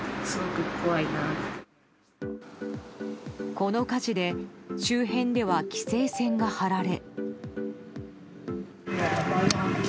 この火事で周辺では規制線が張られ。